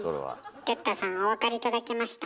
哲太さんお分かり頂けました？